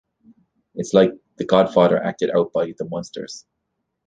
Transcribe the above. It's like "The Godfather" acted out by "The Munsters".